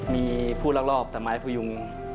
มีผู้รักรอบสัตว์ไม้พื้งยุง